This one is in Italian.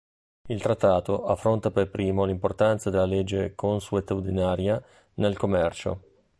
Il trattato affronta per primo l'importanza della legge consuetudinaria nel commercio.